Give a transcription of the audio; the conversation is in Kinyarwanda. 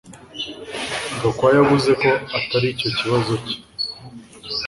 Gakwaya yavuze ko atari cyo kibazo cye